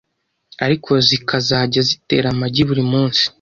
ariko zikazajya zitera amagi buri munsi,